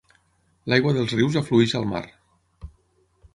L'aigua dels rius aflueix al mar.